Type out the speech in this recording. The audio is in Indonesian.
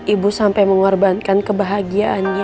ibu sampai mengorbankan kebahagiaannya